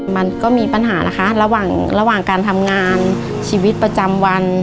มันก็มีปัญหานะคะระหว่างระหว่างการทำงานชีวิตประจำวัน